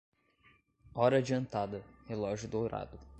Hora adiantada, relógio dourado.